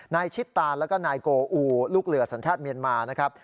ชิตานแล้วก็นายโกอูลูกเหลือสัญชาติเมียนมานะครับ